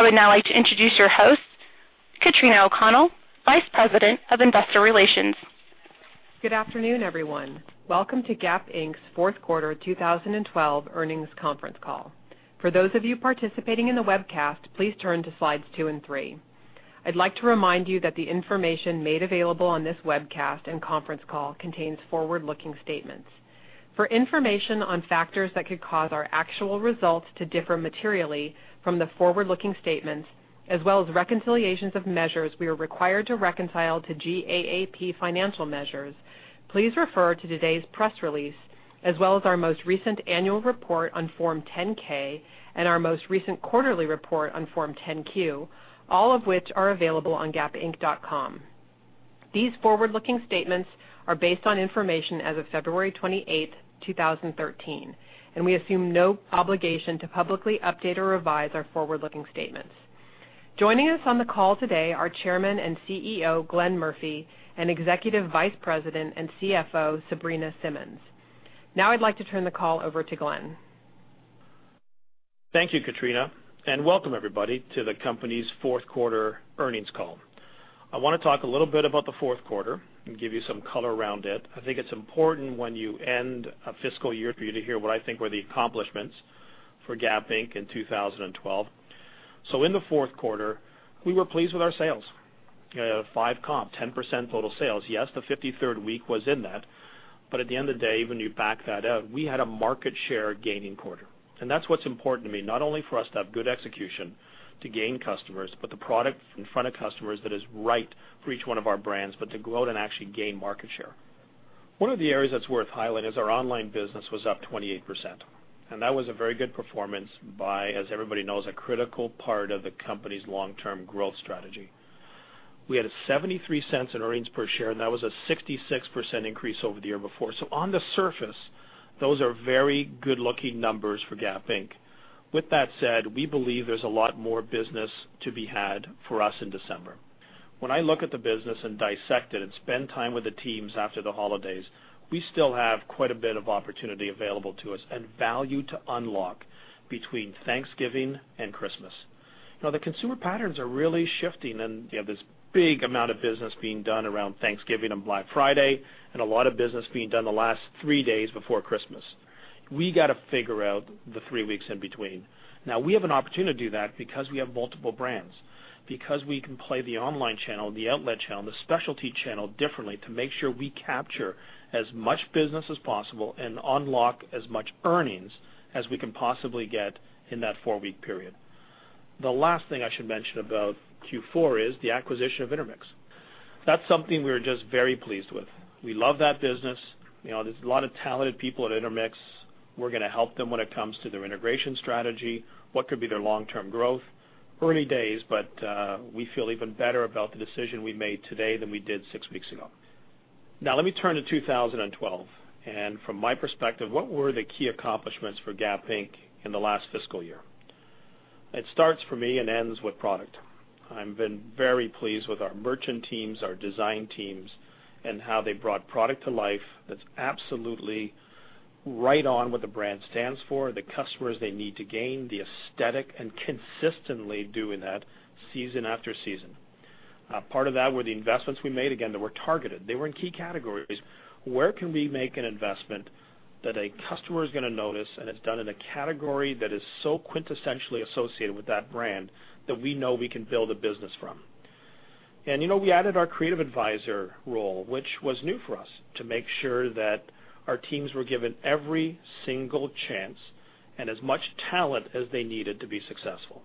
I would now like to introduce your host, Katrina O'Connell, Vice President of Investor Relations. Good afternoon, everyone. Welcome to Gap Inc.'s fourth quarter 2012 earnings conference call. For those of you participating in the webcast, please turn to slides two and three. I'd like to remind you that the information made available on this webcast and conference call contains forward-looking statements. For information on factors that could cause our actual results to differ materially from the forward-looking statements, as well as reconciliations of measures we are required to reconcile to GAAP financial measures, please refer to today's press release, as well as our most recent annual report on Form 10-K and our most recent quarterly report on Form 10-Q, all of which are available on gapinc.com. These forward-looking statements are based on information as of February 28, 2013. We assume no obligation to publicly update or revise our forward-looking statements. Joining us on the call today are Chairman and CEO, Glenn Murphy, and Executive Vice President and CFO, Sabrina Simmons. I'd like to turn the call over to Glenn. Thank you, Katrina. Welcome everybody to the company's fourth quarter earnings call. I want to talk a little bit about the fourth quarter and give you some color around it. I think it's important when you end a fiscal year for you to hear what I think were the accomplishments for Gap Inc. in 2012. In the fourth quarter, we were pleased with our sales. We had a five comp, 10% total sales. Yes, the 53rd week was in that, at the end of the day, when you back that out, we had a market share gaining quarter. That's what's important to me, not only for us to have good execution to gain customers, the product in front of customers that is right for each one of our brands, to go out and actually gain market share. One of the areas that's worth highlighting is our online business was up 28%, and that was a very good performance by, as everybody knows, a critical part of the company's long-term growth strategy. We had $0.73 in earnings per share, and that was a 66% increase over the year before. On the surface, those are very good-looking numbers for Gap Inc. With that said, we believe there's a lot more business to be had for us in December. When I look at the business and dissect it and spend time with the teams after the holidays, we still have quite a bit of opportunity available to us and value to unlock between Thanksgiving and Christmas. The consumer patterns are really shifting and you have this big amount of business being done around Thanksgiving and Black Friday, and a lot of business being done the last three days before Christmas. We got to figure out the three weeks in between. We have an opportunity to do that because we have multiple brands, because we can play the online channel, the outlet channel, the specialty channel differently to make sure we capture as much business as possible and unlock as much earnings as we can possibly get in that four-week period. The last thing I should mention about Q4 is the acquisition of Intermix. That's something we are just very pleased with. We love that business. There's a lot of talented people at Intermix. We're going to help them when it comes to their integration strategy, what could be their long-term growth. Early days, but we feel even better about the decision we made today than we did six weeks ago. Let me turn to 2012, and from my perspective, what were the key accomplishments for Gap Inc. in the last fiscal year? It starts for me and ends with product. I've been very pleased with our merchant teams, our design teams, and how they brought product to life that's absolutely right on what the brand stands for, the customers they need to gain, the aesthetic, and consistently doing that season after season. Part of that were the investments we made, again, that were targeted. They were in key categories. Where can we make an investment that a customer is going to notice, and it's done in a category that is so quintessentially associated with that brand that we know we can build a business from. We added our creative advisor role, which was new for us, to make sure that our teams were given every single chance and as much talent as they needed to be successful.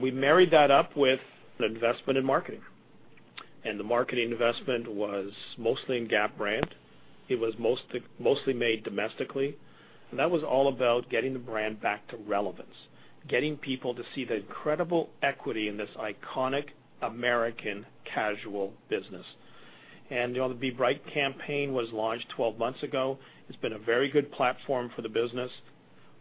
We married that up with an investment in marketing, and the marketing investment was mostly in Gap brand. It was mostly made domestically, and that was all about getting the brand back to relevance, getting people to see the incredible equity in this iconic American casual business. The Be Bright campaign was launched 12 months ago. It's been a very good platform for the business.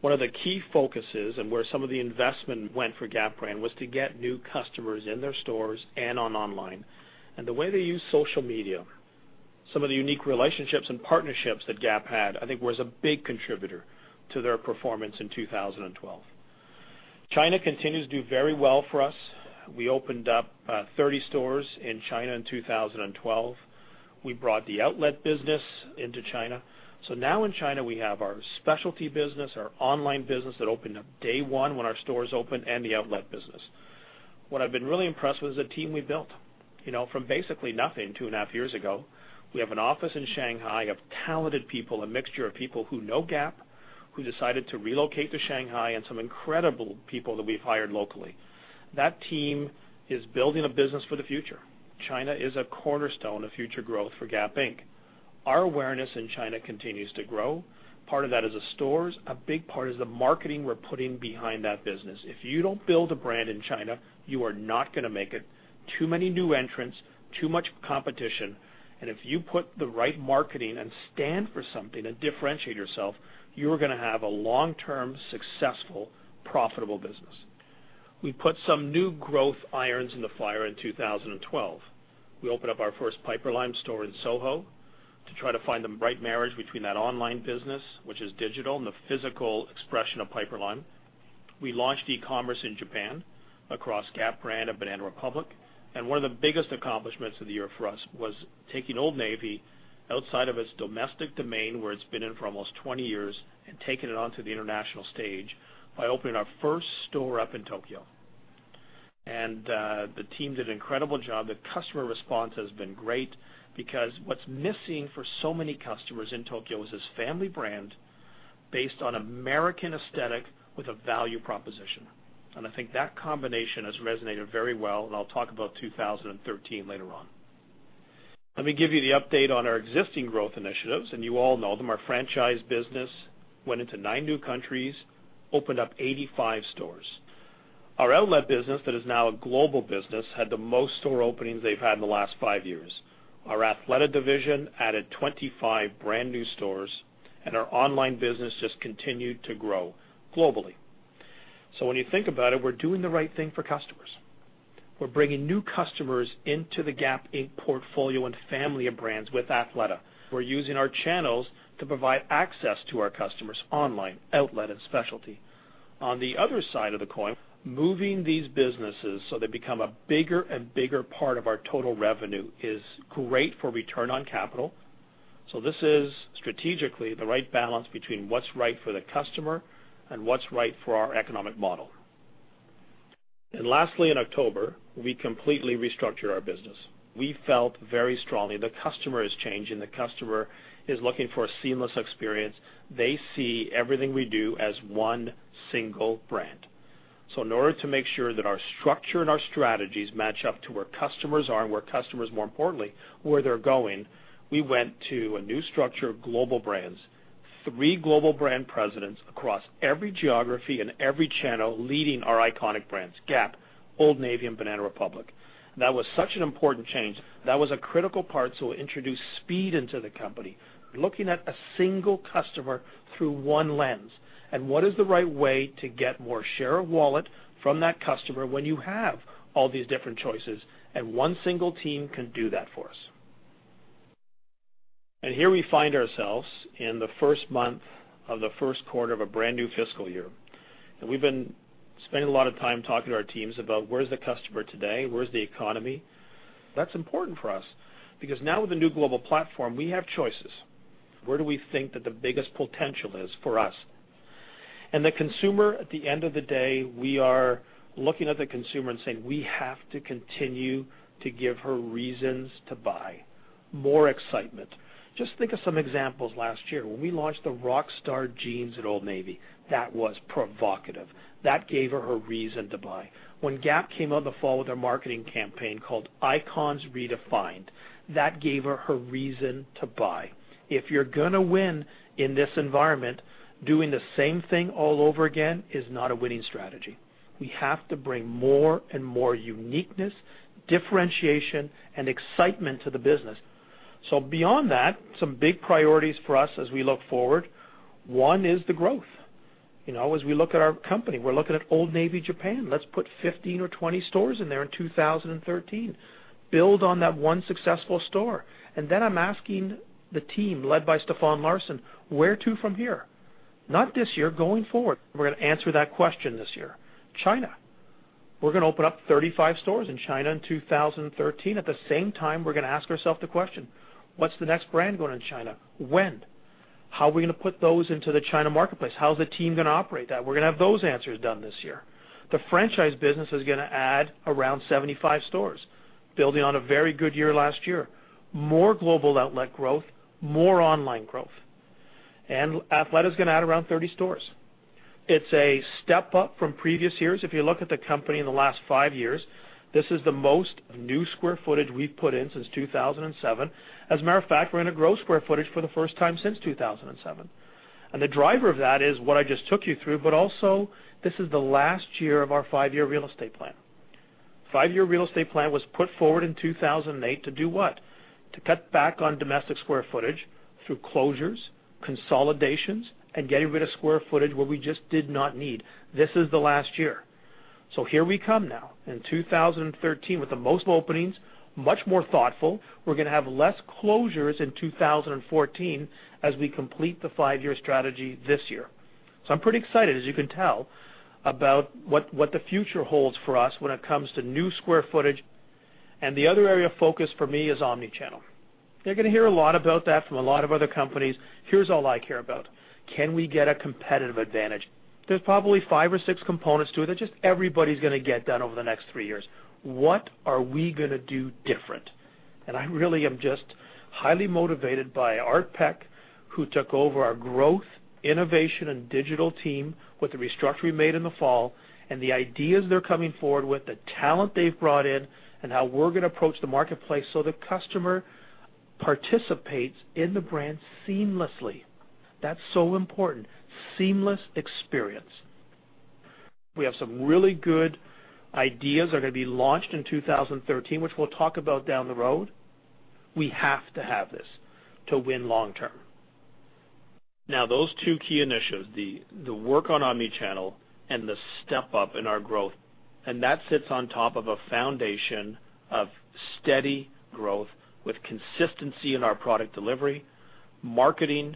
One of the key focuses and where some of the investment went for Gap brand was to get new customers in their stores and on online. The way they use social media, some of the unique relationships and partnerships that Gap had, I think, was a big contributor to their performance in 2012. China continues to do very well for us. We opened up 30 stores in China in 2012. We brought the outlet business into China. Now in China, we have our specialty business, our online business that opened up day one when our stores opened, and the outlet business. What I've been really impressed with is the team we built. From basically nothing two and a half years ago, we have an office in Shanghai of talented people, a mixture of people who know Gap, who decided to relocate to Shanghai, and some incredible people that we've hired locally. That team is building a business for the future. China is a cornerstone of future growth for Gap Inc. Our awareness in China continues to grow. Part of that is the stores. A big part is the marketing we're putting behind that business. If you don't build a brand in China, you are not going to make it. Too many new entrants, too much competition, and if you put the right marketing and stand for something and differentiate yourself, you're going to have a long-term, successful, profitable business. We put some new growth irons in the fire in 2012. We opened up our first Piperlime store in SoHo. To try to find the right marriage between that online business, which is digital, and the physical expression of Piperlime. We launched e-commerce in Japan across Gap and Banana Republic. One of the biggest accomplishments of the year for us was taking Old Navy outside of its domestic domain, where it's been in for almost 20 years, and taking it onto the international stage by opening our first store up in Tokyo. The team did an incredible job. The customer response has been great because what's missing for so many customers in Tokyo is this family brand based on American aesthetic with a value proposition. I think that combination has resonated very well, and I'll talk about 2013 later on. Let me give you the update on our existing growth initiatives. You all know them. Our franchise business went into nine new countries, opened up 85 stores. Our outlet business, that is now a global business, had the most store openings they've had in the last five years. Our Athleta division added 25 brand-new stores. Our online business just continued to grow globally. When you think about it, we're doing the right thing for customers. We're bringing new customers into the Gap Inc. portfolio and family of brands with Athleta. We're using our channels to provide access to our customers online, outlet, and specialty. On the other side of the coin, moving these businesses so they become a bigger and bigger part of our total revenue is great for return on capital. This is strategically the right balance between what's right for the customer and what's right for our economic model. Lastly, in October, we completely restructured our business. We felt very strongly the customer is changing. The customer is looking for a seamless experience. They see everything we do as one single brand. In order to make sure that our structure and our strategies match up to where customers are and where customers, more importantly, where they're going, we went to a new structure of global brands, three global brand presidents across every geography and every channel leading our iconic brands, Gap, Old Navy, and Banana Republic. That was such an important change. That was a critical part to introduce speed into the company, looking at a single customer through one lens. What is the right way to get more share of wallet from that customer when you have all these different choices? One single team can do that for us. Here we find ourselves in the first month of the first quarter of a brand new fiscal year. We've been spending a lot of time talking to our teams about where's the customer today, where's the economy. That's important for us because now with the new global platform, we have choices. Where do we think that the biggest potential is for us? The consumer, at the end of the day, we are looking at the consumer and saying, we have to continue to give her reasons to buy, more excitement. Just think of some examples last year. When we launched the Rockstar jeans at Old Navy, that was provocative. That gave her a reason to buy. When Gap came out in the fall with their marketing campaign called Icons Redefined, that gave her a reason to buy. If you're gonna win in this environment, doing the same thing all over again is not a winning strategy. We have to bring more and more uniqueness, differentiation, and excitement to the business. Beyond that, some big priorities for us as we look forward, one is the growth. As we look at our company, we're looking at Old Navy Japan. Let's put 15 or 20 stores in there in 2013. Build on that one successful store. Then I'm asking the team, led by Stefan Larsson, where to from here? Not this year, going forward. We're gonna answer that question this year. China. We're gonna open up 35 stores in China in 2013. At the same time, we're gonna ask ourselves the question, what's the next brand going in China? When? How are we gonna put those into the China marketplace? How's the team gonna operate that? We're gonna have those answers done this year. The franchise business is gonna add around 75 stores, building on a very good year last year. More global outlet growth, more online growth. Athleta is gonna add around 30 stores. It's a step up from previous years. If you look at the company in the last five years, this is the most new square footage we've put in since 2007. As a matter of fact, we're gonna grow square footage for the first time since 2007. The driver of that is what I just took you through, but also this is the last year of our five-year real estate plan. Five-year real estate plan was put forward in 2008 to do what? To cut back on domestic square footage through closures, consolidations, and getting rid of square footage where we just did not need. This is the last year. Here we come now in 2013 with the most openings, much more thoughtful. We're gonna have less closures in 2014 as we complete the five-year strategy this year. I'm pretty excited, as you can tell, about what the future holds for us when it comes to new square footage. The other area of focus for me is omni-channel. You're gonna hear a lot about that from a lot of other companies. Here's all I care about. Can we get a competitive advantage? There's probably five or six components to it that just everybody's gonna get done over the next three years. What are we gonna do different? I really am just highly motivated by Art Peck, who took over our growth, innovation, and digital team with the restructuring made in the fall, and the ideas they're coming forward with, the talent they've brought in, and how we're gonna approach the marketplace so the customer participates in the brand seamlessly. That's so important. Seamless experience. We have some really good ideas that are gonna be launched in 2013, which we'll talk about down the road. We have to have this to win long term. Now, those two key initiatives, the work on omni-channel and the step up in our growth, and that sits on top of a foundation of steady growth with consistency in our product delivery, marketing,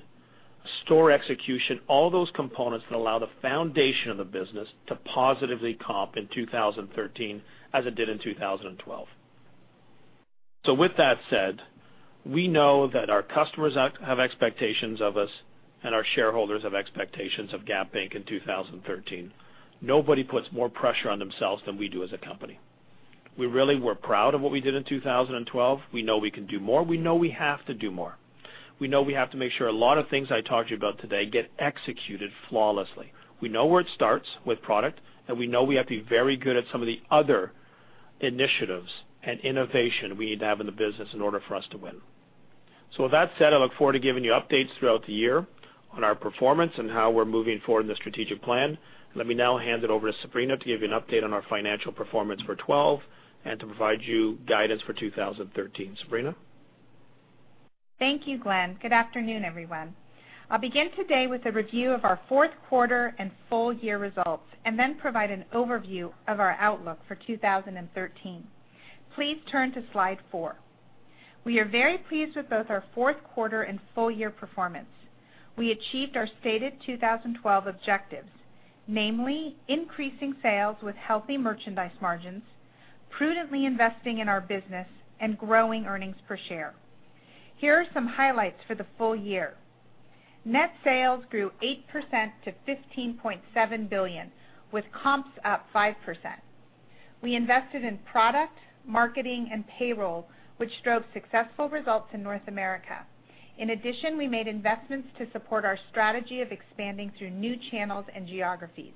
store execution, all those components that allow the foundation of the business to positively comp in 2013 as it did in 2012. With that said, we know that our customers have expectations of us and our shareholders have expectations of Gap Inc. in 2013. Nobody puts more pressure on themselves than we do as a company. We really were proud of what we did in 2012. We know we can do more. We know we have to do more. We know we have to make sure a lot of things I talked to you about today get executed flawlessly. We know where it starts, with product, and we know we have to be very good at some of the other initiatives and innovation we need to have in the business in order for us to win. With that said, I look forward to giving you updates throughout the year on our performance and how we're moving forward in the strategic plan. Let me now hand it over to Sabrina to give you an update on our financial performance for 2012 and to provide you guidance for 2013. Sabrina? Thank you, Glenn. Good afternoon, everyone. I will begin today with a review of our fourth quarter and full year results and then provide an overview of our outlook for 2013. Please turn to Slide 4. We are very pleased with both our fourth quarter and full year performance. We achieved our stated 2012 objectives, namely increasing sales with healthy merchandise margins, prudently investing in our business, and growing earnings per share. Here are some highlights for the full year. Net sales grew 8% to $15.7 billion, with comps up 5%. We invested in product, marketing, and payroll, which drove successful results in North America. In addition, we made investments to support our strategy of expanding through new channels and geographies.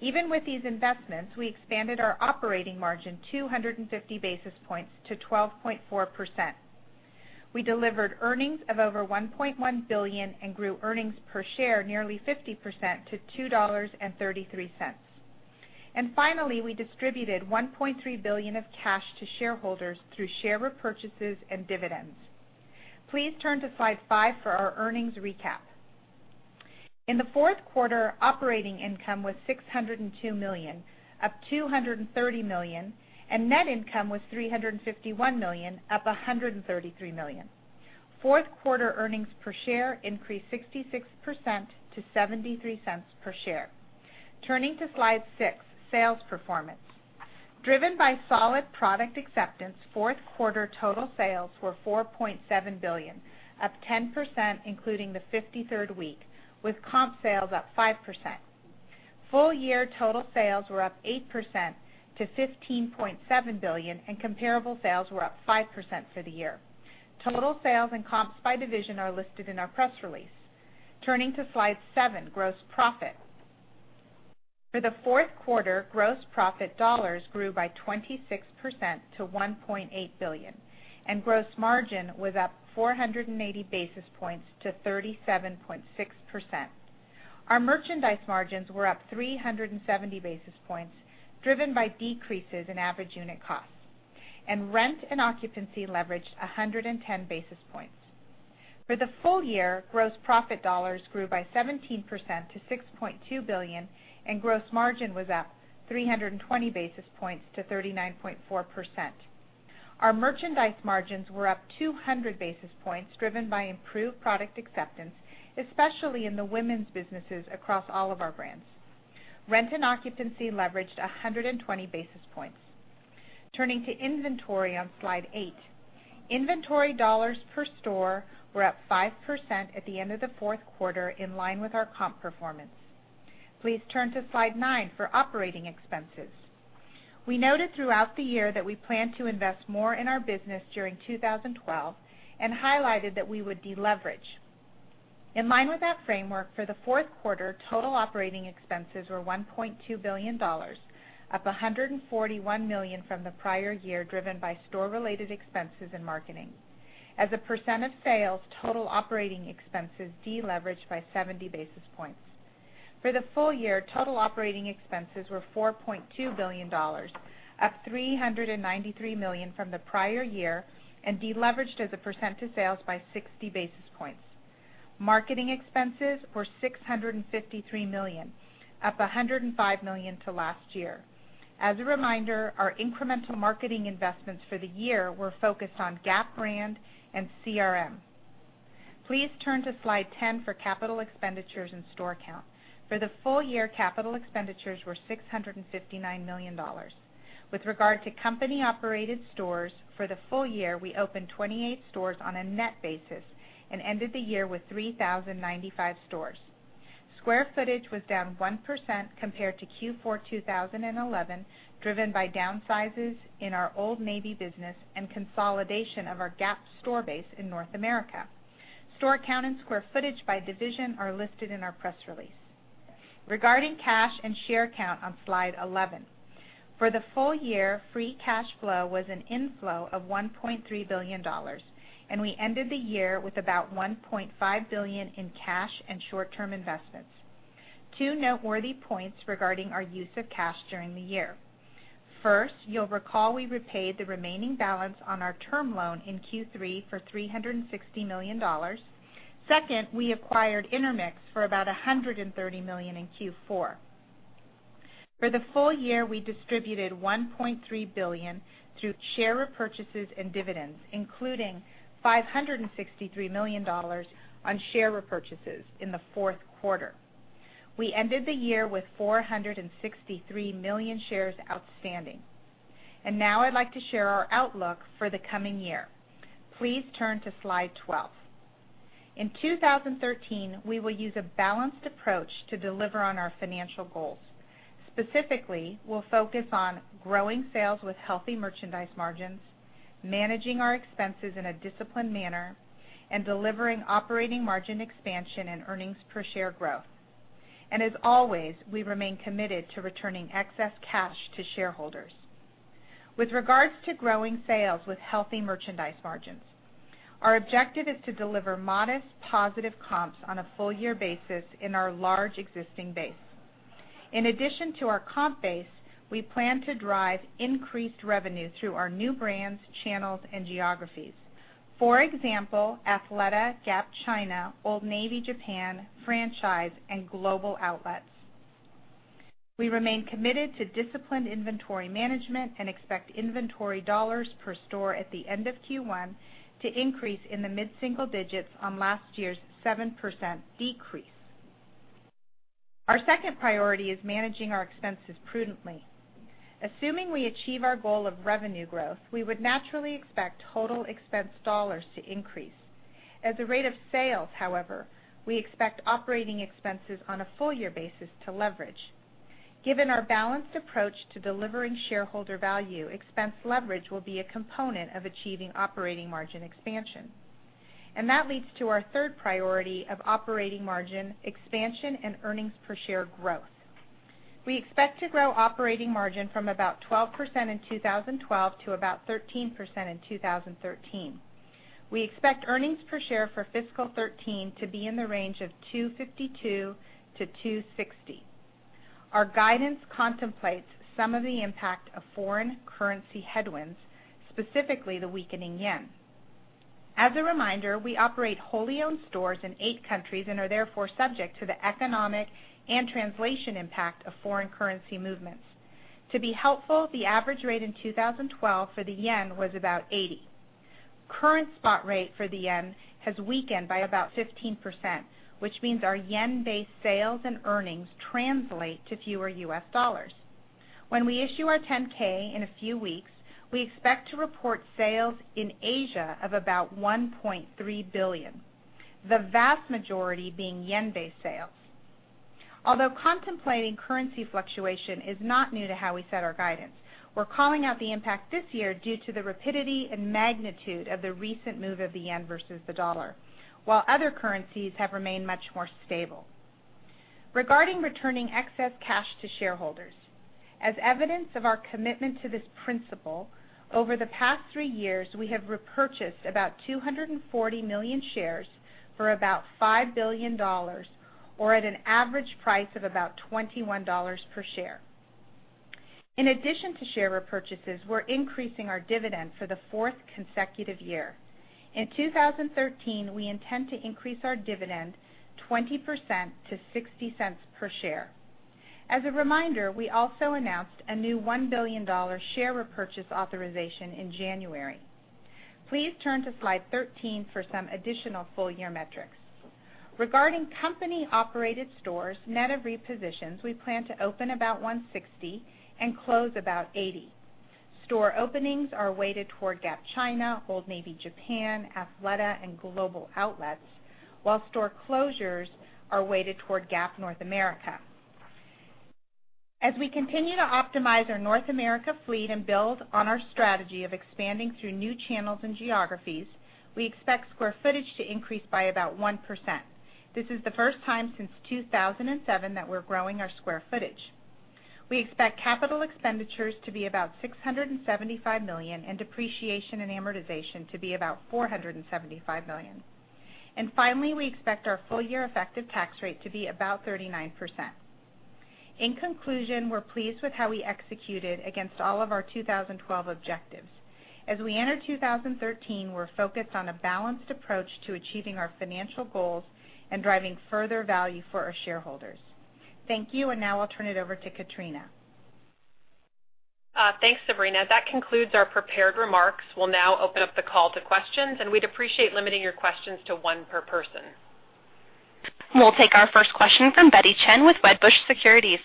Even with these investments, we expanded our operating margin 250 basis points to 12.4%. We delivered earnings of over $1.1 billion and grew earnings per share nearly 50% to $2.33. Finally, we distributed $1.3 billion of cash to shareholders through share repurchases and dividends. Please turn to Slide 5 for our earnings recap. In the fourth quarter, operating income was $602 million, up $230 million, and net income was $351 million, up $133 million. Fourth quarter earnings per share increased 66% to $0.73 per share. Turning to Slide 6, sales performance. Driven by solid product acceptance, fourth quarter total sales were $4.7 billion, up 10%, including the 53rd week, with comp sales up 5%. Full year total sales were up 8% to $15.7 billion, and comparable sales were up 5% for the year. Total sales and comps by division are listed in our press release. Turning to Slide 7, gross profit. For the fourth quarter, gross profit dollars grew by 26% to $1.8 billion, and gross margin was up 480 basis points to 37.6%. Our merchandise margins were up 370 basis points, driven by decreases in average unit costs, and rent and occupancy leveraged 110 basis points. For the full year, gross profit dollars grew by 17% to $6.2 billion, and gross margin was up 320 basis points to 39.4%. Our merchandise margins were up 200 basis points, driven by improved product acceptance, especially in the women's businesses across all of our brands. Rent and occupancy leveraged 120 basis points. Turning to inventory on Slide 8. Inventory dollars per store were up 5% at the end of the fourth quarter, in line with our comp performance. Please turn to Slide 9 for operating expenses. We noted throughout the year that we plan to invest more in our business during 2012 and highlighted that we would deleverage. In line with that framework, for the fourth quarter, total operating expenses were $1.2 billion, up $141 million from the prior year, driven by store-related expenses and marketing. As a percent of sales, total operating expenses deleveraged by 70 basis points. For the full year, total operating expenses were $4.2 billion, up $393 million from the prior year and deleveraged as a percent to sales by 60 basis points. Marketing expenses were $653 million, up $105 million to last year. As a reminder, our incremental marketing investments for the year were focused on Gap and CRM. Please turn to Slide 10 for capital expenditures and store count. For the full year, capital expenditures were $659 million. With regard to company-operated stores, for the full year, we opened 28 stores on a net basis and ended the year with 3,095 stores. Square footage was down 1% compared to Q4 2011, driven by downsizes in our Old Navy business and consolidation of our Gap store base in North America. Store count and square footage by division are listed in our press release. Regarding cash and share count on Slide 11. For the full year, free cash flow was an inflow of $1.3 billion, and we ended the year with about $1.5 billion in cash and short-term investments. Two noteworthy points regarding our use of cash during the year. First, you'll recall we repaid the remaining balance on our term loan in Q3 for $360 million. Second, we acquired Intermix for about $130 million in Q4. For the full year, we distributed $1.3 billion through share repurchases and dividends, including $563 million on share repurchases in the fourth quarter. We ended the year with 463 million shares outstanding. Now I'd like to share our outlook for the coming year. Please turn to slide 12. In 2013, we will use a balanced approach to deliver on our financial goals. Specifically, we'll focus on growing sales with healthy merchandise margins, managing our expenses in a disciplined manner, and delivering operating margin expansion and earnings per share growth. As always, we remain committed to returning excess cash to shareholders. With regards to growing sales with healthy merchandise margins, our objective is to deliver modest positive comps on a full-year basis in our large existing base. In addition to our comp base, we plan to drive increased revenue through our new brands, channels, and geographies. For example, Athleta, Gap China, Old Navy Japan, franchise, and global outlets. We remain committed to disciplined inventory management and expect inventory dollars per store at the end of Q1 to increase in the mid-single digits on last year's 7% decrease. Our second priority is managing our expenses prudently. Assuming we achieve our goal of revenue growth, we would naturally expect total expense dollars to increase. As a rate of sales, however, we expect operating expenses on a full-year basis to leverage. Given our balanced approach to delivering shareholder value, expense leverage will be a component of achieving operating margin expansion. That leads to our third priority of operating margin expansion and earnings per share growth. We expect to grow operating margin from about 12% in 2012 to about 13% in 2013. We expect earnings per share for fiscal 2013 to be in the range of $2.52-$2.60. Our guidance contemplates some of the impact of foreign currency headwinds, specifically the weakening yen. As a reminder, we operate wholly owned stores in eight countries and are therefore subject to the economic and translation impact of foreign currency movements. To be helpful, the average rate in 2012 for the yen was about 80. Current spot rate for the yen has weakened by about 15%, which means our yen-based sales and earnings translate to fewer US dollars. When we issue our 10-K in a few weeks, we expect to report sales in Asia of about $1.3 billion, the vast majority being yen-based sales. Although contemplating currency fluctuation is not new to how we set our guidance, we're calling out the impact this year due to the rapidity and magnitude of the recent move of the yen versus the dollar, while other currencies have remained much more stable. Regarding returning excess cash to shareholders, as evidence of our commitment to this principle, over the past three years, we have repurchased about 240 million shares for about $5 billion, or at an average price of about $21 per share. In addition to share repurchases, we're increasing our dividend for the fourth consecutive year. In 2013, we intend to increase our dividend 20% to $0.60 per share. As a reminder, we also announced a new $1 billion share repurchase authorization in January. Please turn to slide 13 for some additional full-year metrics. Regarding company-operated stores, net of repositions, we plan to open about 160 and close about 80. Store openings are weighted toward Gap China, Old Navy Japan, Athleta, and global outlets, while store closures are weighted toward Gap North America. As we continue to optimize our North America fleet and build on our strategy of expanding through new channels and geographies, we expect square footage to increase by about 1%. This is the first time since 2007 that we're growing our square footage. We expect capital expenditures to be about $675 million and depreciation and amortization to be about $475 million. Finally, we expect our full-year effective tax rate to be about 39%. In conclusion, we're pleased with how we executed against all of our 2012 objectives. As we enter 2013, we're focused on a balanced approach to achieving our financial goals and driving further value for our shareholders. Thank you, and now I'll turn it over to Katrina. Thanks, Sabrina. That concludes our prepared remarks. We'll now open up the call to questions. We'd appreciate limiting your questions to one per person. We'll take our first question from Betty Chen with Wedbush Securities.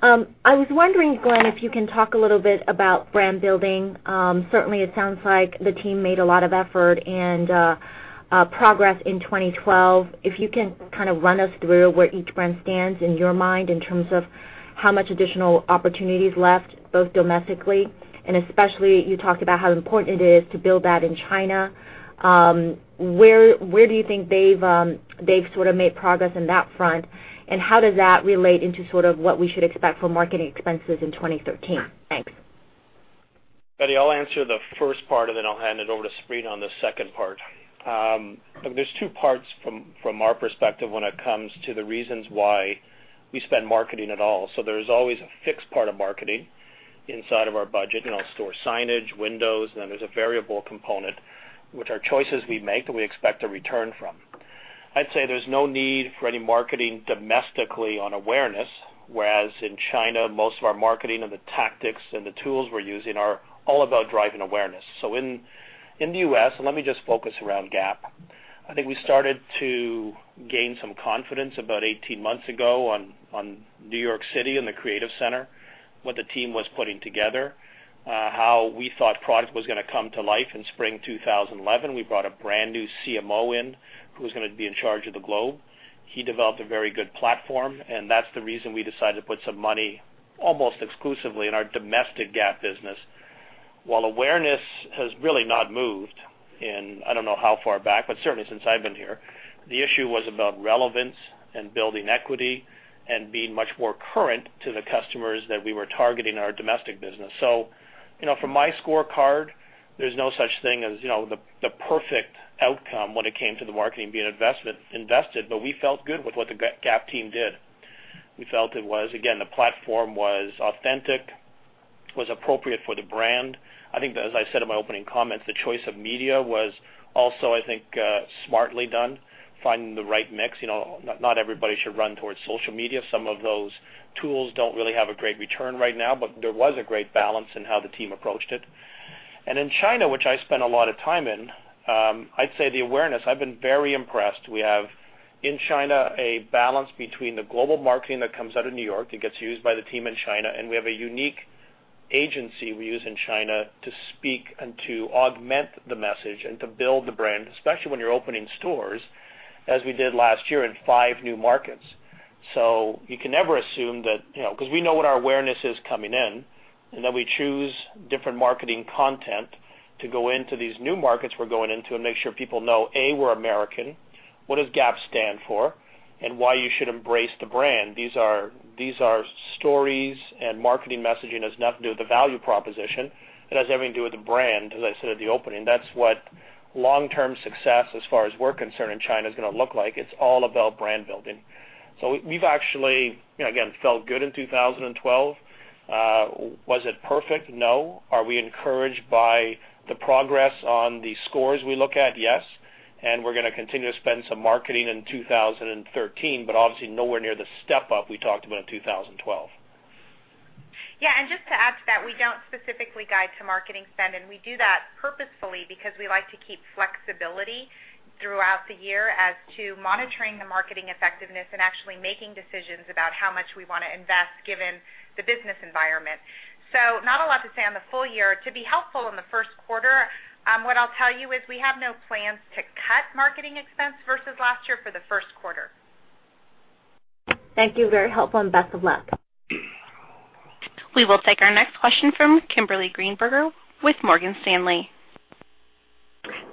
I was wondering, Glenn, if you can talk a little bit about brand building. Certainly, it sounds like the team made a lot of effort and progress in 2012. If you can kind of run us through where each brand stands in your mind in terms of how much additional opportunities left, both domestically and especially, you talked about how important it is to build that in China. Where do you think they've sort of made progress on that front, and how does that relate into sort of what we should expect for marketing expenses in 2013? Thanks. Betty, I'll answer the first part, and then I'll hand it over to Sabrina on the second part. There's two parts from our perspective when it comes to the reasons why we spend marketing at all. There is always a fixed part of marketing inside of our budget, store signage, windows, and then there's a variable component, which are choices we make that we expect a return from. I'd say there's no need for any marketing domestically on awareness, whereas in China, most of our marketing and the tactics and the tools we're using are all about driving awareness. In the U.S., and let me just focus around Gap, I think we started to gain some confidence about 18 months ago on New York City and the creative center, what the team was putting together, how we thought product was going to come to life in spring 2011. We brought a brand new CMO in who was going to be in charge of the globe. He developed a very good platform, and that's the reason we decided to put some money almost exclusively in our domestic Gap business. While awareness has really not moved in, I don't know how far back, but certainly since I've been here, the issue was about relevance and building equity and being much more current to the customers that we were targeting in our domestic business. From my scorecard, there's no such thing as the perfect outcome when it came to the marketing being invested, but we felt good with what the Gap team did. We felt it was, again, the platform was authentic, was appropriate for the brand. I think, as I said in my opening comments, the choice of media was also, I think, smartly done, finding the right mix. Not everybody should run towards social media. Some of those tools don't really have a great return right now, but there was a great balance in how the team approached it. In China, which I spent a lot of time in, I'd say the awareness, I've been very impressed. We have, in China, a balance between the global marketing that comes out of New York and gets used by the team in China, and we have a unique agency we use in China to speak and to augment the message and to build the brand, especially when you're opening stores, as we did last year in five new markets. You can never assume that because we know what our awareness is coming in, then we choose different marketing content to go into these new markets we're going into and make sure people know, A, we're American, what does Gap stand for, and why you should embrace the brand. These are stories and marketing messaging that has nothing to do with the value proposition. It has everything to do with the brand, as I said at the opening. That's what long-term success, as far as we're concerned in China, is going to look like. It's all about brand building. We've actually, again, felt good in 2012. Was it perfect? No. Are we encouraged by the progress on the scores we look at? Yes. We're going to continue to spend some marketing in 2013, obviously nowhere near the step-up we talked about in 2012. Just to add to that, we don't specifically guide to marketing spend, we do that purposefully because we like to keep flexibility throughout the year as to monitoring the marketing effectiveness and actually making decisions about how much we want to invest given the business environment. Not a lot to say on the full year. To be helpful in the first quarter, what I'll tell you is we have no plans to cut marketing expense versus last year for the first quarter. Thank you. Very helpful, best of luck. We will take our next question from Kimberly Greenberger with Morgan Stanley.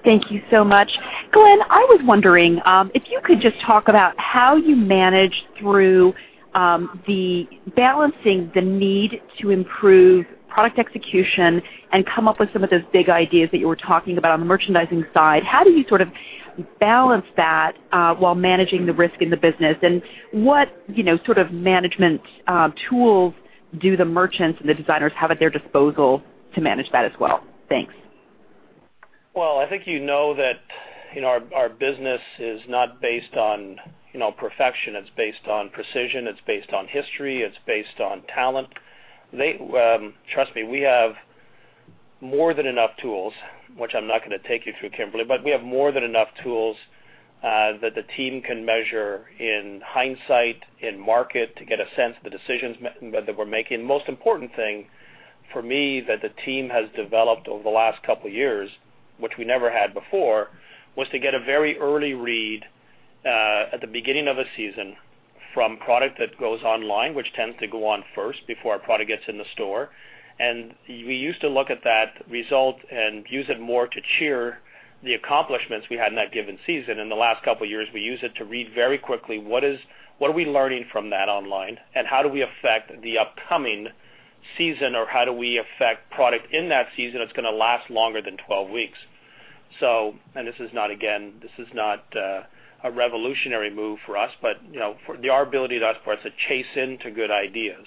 Thank you so much. Glenn, I was wondering if you could just talk about how you manage through the balancing the need to improve product execution and come up with some of those big ideas that you were talking about on the merchandising side. How do you sort of balance that while managing the risk in the business? What sort of management tools do the merchants and the designers have at their disposal to manage that as well? Thanks. Well, I think you know that our business is not based on perfection. It's based on precision. It's based on history. It's based on talent. Trust me, we have more than enough tools, which I'm not going to take you through, Kimberly, but we have more than enough tools that the team can measure in hindsight, in market, to get a sense of the decisions that we're making. Most important thing for me that the team has developed over the last couple of years, which we never had before, was to get a very early read at the beginning of a season from product that goes online, which tends to go on first before a product gets in the store. We used to look at that result and use it more to cheer the accomplishments we had in that given season. In the last couple of years, we use it to read very quickly what are we learning from that online, and how do we affect the upcoming season, or how do we affect product in that season that's going to last longer than 12 weeks. This is not, again, this is not a revolutionary move for us, but our ability thus far to chase into good ideas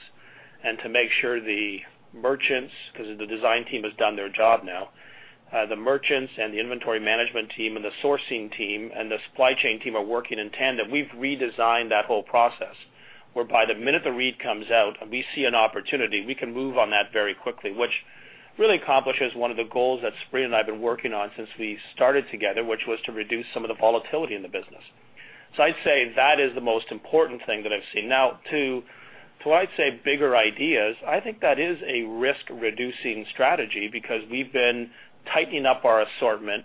and to make sure the merchants, because the design team has done their job now, the merchants and the inventory management team and the sourcing team and the supply chain team are working in tandem. We've redesigned that whole process, whereby the minute the read comes out and we see an opportunity, we can move on that very quickly, which really accomplishes one of the goals that Sabrina and I have been working on since we started together, which was to reduce some of the volatility in the business. I'd say that is the most important thing that I've seen. Now, to I'd say bigger ideas, I think that is a risk-reducing strategy because we've been tightening up our assortment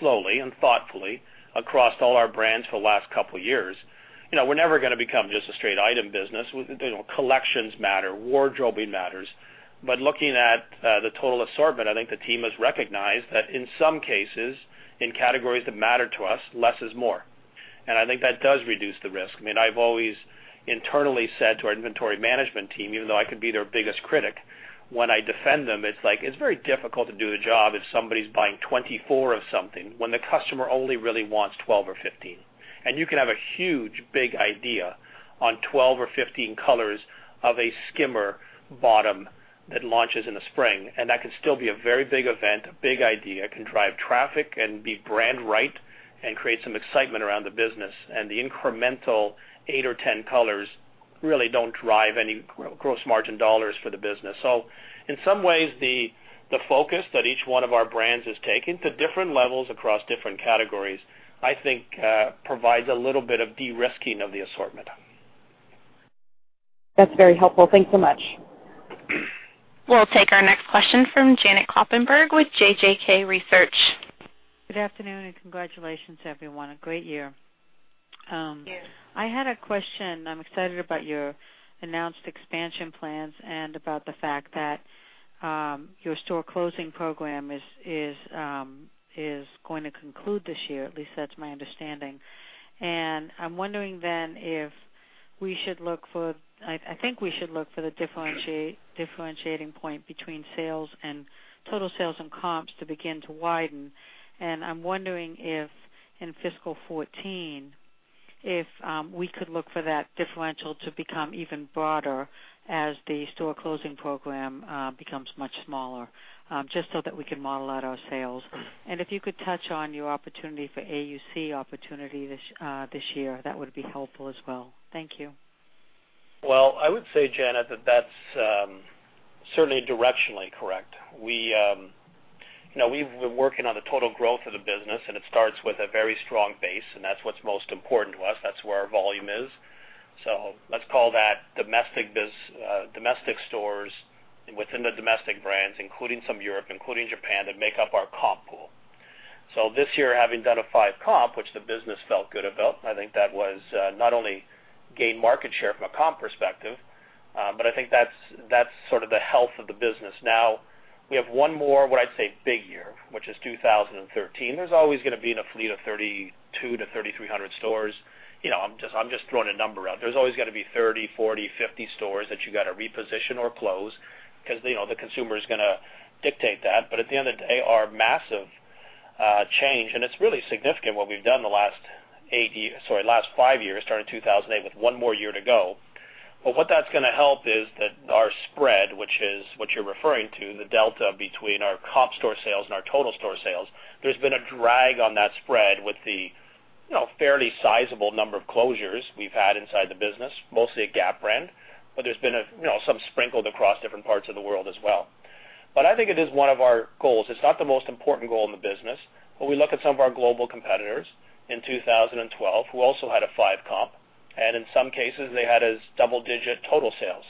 slowly and thoughtfully across all our brands for the last couple of years. We're never going to become just a straight item business. Collections matter. Wardrobing matters. Looking at the total assortment, I think the team has recognized that in some cases, in categories that matter to us, less is more. I think that does reduce the risk. I've always internally said to our inventory management team, even though I could be their biggest critic, when I defend them, it's very difficult to do the job if somebody's buying 24 of something when the customer only really wants 12 or 15. You can have a huge, big idea on 12 or 15 colors of a skimmer bottom that launches in the spring, and that can still be a very big event, a big idea. It can drive traffic and be brand right and create some excitement around the business. The incremental eight or 10 colors really don't drive any gross margin dollars for the business. In some ways, the focus that each one of our brands has taken to different levels across different categories, I think provides a little bit of de-risking of the assortment. That's very helpful. Thanks so much. We'll take our next question from Janet Kloppenburg with JJK Research. Good afternoon. Congratulations, everyone. A great year. Thank you. I had a question. I'm excited about your announced expansion plans and about the fact that your store closing program is going to conclude this year. At least that's my understanding. I think we should look for the differentiating point between total sales and comps to begin to widen. I'm wondering if in fiscal 2014, if we could look for that differential to become even broader as the store closing program becomes much smaller, just so that we can model out our sales. If you could touch on your opportunity for AUC opportunity this year, that would be helpful as well. Thank you. I would say, Janet, that's certainly directionally correct. We've been working on the total growth of the business, and it starts with a very strong base, and that's what's most important to us. That's where our volume is. Let's call that domestic stores within the domestic brands, including some Europe, including Japan, that make up our comp pool. This year, having done a 5% comp, which the business felt good about, I think that was not only gain market share from a comp perspective, but I think that's sort of the health of the business. We have one more, what I'd say, big year, which is 2013. There's always going to be in a fleet of 3,200 to 3,300 stores. I'm just throwing a number out. There's always going to be 30, 40, 50 stores that you got to reposition or close because the consumer is going to dictate that. At the end of the day, our massive change, and it's really significant what we've done the last five years, starting 2008, with one more year to go. What that's going to help is that our spread, which is what you're referring to, the delta between our comp store sales and our total store sales, there's been a drag on that spread with the fairly sizable number of closures we've had inside the business, mostly at Gap brand, but there's been some sprinkled across different parts of the world as well. I think it is one of our goals. It's not the most important goal in the business. We look at some of our global competitors in 2012 who also had a 5 comp, and in some cases, they had a double-digit total sales.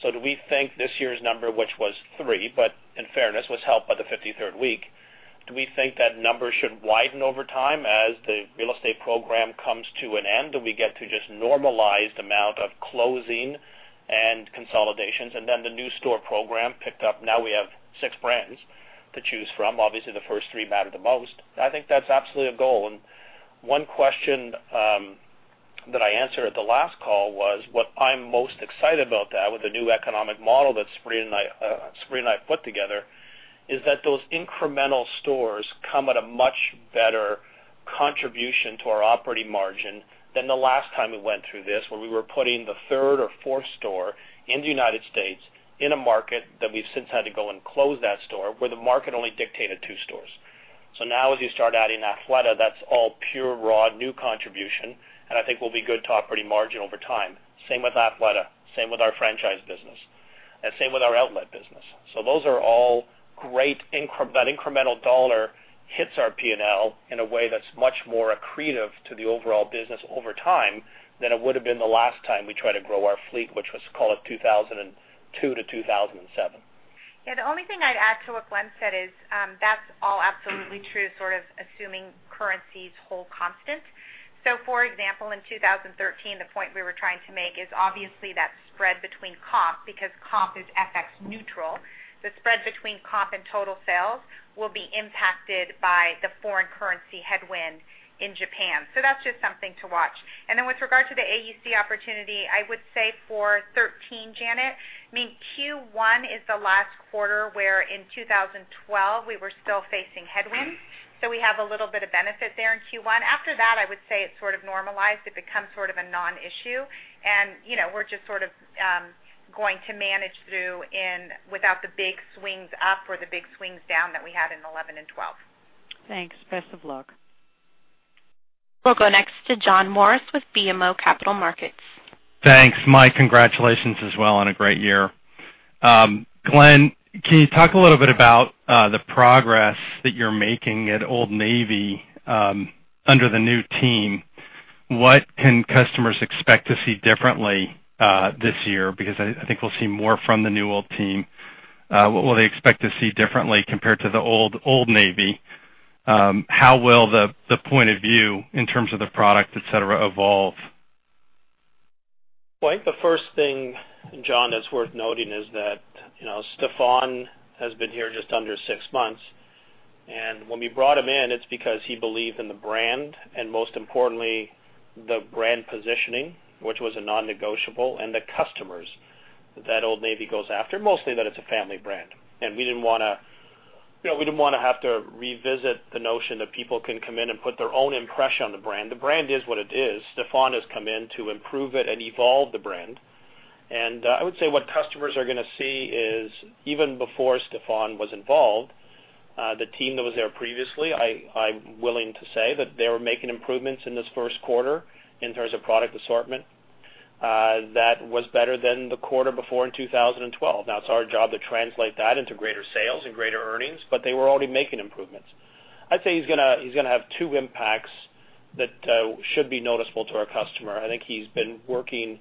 Do we think this year's number, which was 3, but in fairness, was helped by the 53rd week, do we think that number should widen over time as the real estate program comes to an end? Do we get to just normalize the amount of closing and consolidations? The new store program picked up. We have 6 brands to choose from. Obviously, the first 3 matter the most. I think that's absolutely a goal. One question that I answered at the last call was what I'm most excited about that with the new economic model that Sabrina and I put together is that those incremental stores come at a much better contribution to our operating margin than the last time we went through this, where we were putting the third or fourth store in the U.S. in a market that we've since had to go and close that store where the market only dictated 2 stores. Now as you start adding Athleta, that's all pure, raw, new contribution, I think we'll be good to operating margin over time. Same with Athleta, same with our franchise business, same with our outlet business. Those are all great. That incremental dollar hits our P&L in a way that's much more accretive to the overall business over time than it would have been the last time we tried to grow our fleet, which was, call it 2002-2007. Yeah, the only thing I'd add to what Glenn said is that's all absolutely true, sort of assuming currencies hold constant. For example, in 2013, the point we were trying to make is obviously that spread between comp, because comp is FX neutral. The spread between comp and total sales will be impacted by the foreign currency headwind in Japan. That's just something to watch. With regard to the AUC opportunity, I would say for 2013, Janet, Q1 is the last quarter where in 2012, we were still facing headwinds. We have a little bit of benefit there in Q1. After that, I would say it sort of normalized. It becomes sort of a non-issue. We're just going to manage through without the big swings up or the big swings down that we had in 2011 and 2012. Thanks. Best of luck. We'll go next to John Morris with BMO Capital Markets. Thanks, Mike. Congratulations as well on a great year. Glenn, can you talk a little bit about the progress that you're making at Old Navy under the new team? What can customers expect to see differently this year? Because I think we'll see more from the new Old team. What will they expect to see differently compared to the old Old Navy? How will the point of view in terms of the product, et cetera, evolve? Well, I think the first thing, John, that's worth noting is that Stefan has been here just under six months. When we brought him in, it's because he believed in the brand and most importantly, the brand positioning, which was a non-negotiable, and the customers that Old Navy goes after, mostly that it's a family brand. We didn't want to have to revisit the notion that people can come in and put their own impression on the brand. The brand is what it is. Stefan has come in to improve it and evolve the brand. I would say what customers are going to see is, even before Stefan was involved, the team that was there previously, I'm willing to say that they were making improvements in this first quarter in terms of product assortment. That was better than the quarter before in 2012. It's our job to translate that into greater sales and greater earnings, they were already making improvements. I'd say he's going to have two impacts that should be noticeable to our customer. I think he's been working